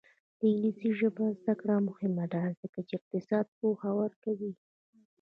د انګلیسي ژبې زده کړه مهمه ده ځکه چې اقتصاد پوهه ورکوي.